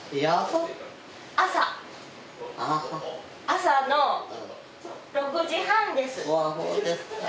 朝の６時半です。